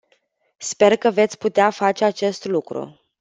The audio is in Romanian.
Sper că veți putea face acest lucru.